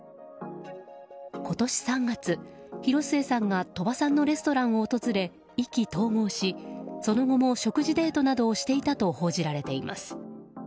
今年３月、広末さんが鳥羽さんのレストランを訪れ意気投合し、その後も食事デートなどをしていたと報じられています。